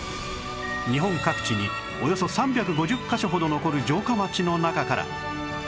日本各地におよそ３５０カ所ほど残る城下町の中から